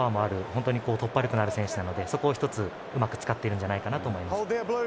本当に突破力のある選手なのでそこをうまく使っているんじゃないかなと思います。